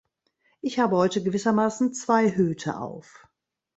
Ich habe heute gewissermaßen zwei Hüte auf.